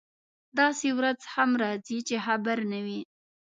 داسې ورځ هم راځي چې خبر نه وي.